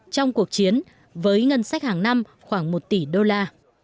trong cuộc chiến với ngân sách hàng năm khoảng một tỷ usd